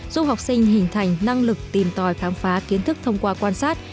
giúp học sinh hình thành năng lực tìm tòi khám phá kiến thức thông qua quan sát